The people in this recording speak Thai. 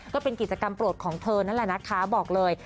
ก็เป็นกิจกรรมโปรดของเธอนั่นแหละนะคะบอกเลย